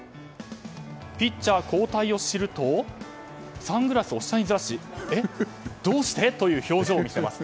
ピッチャー交代を知るとサングラスを下にずらしえっ、どうして？という表情を見せます。